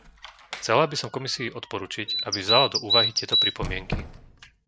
Chcela by som Komisii odporučiť, aby vzala do úvahy tieto pripomienky.